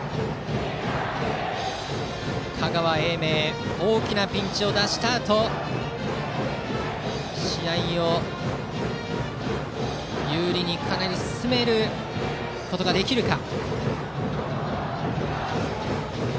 香川・英明大きなピンチを脱したあと試合を有利にかなり進めることができるか。